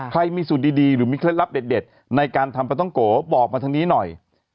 ใครมีสูตรดีหรือมีเคล็ดลับเด็ดในการทำปลาต้องโกบอกมาทางนี้หน่อย